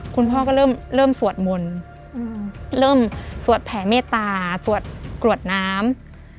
คุณพ่อก็เริ่มสวดมนต์เริ่มสวดแผ่เมตตาสวดกรวดน้ำ